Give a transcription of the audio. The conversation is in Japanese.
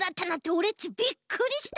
オレっちびっくりした！